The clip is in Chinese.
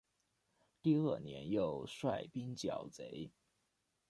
第二年又率兵剿贼。